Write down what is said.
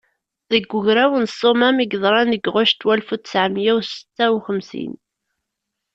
Deg ugraw n Ssumam i yeḍran deg ɣuct walef u ttɛemya u setta u xemsin.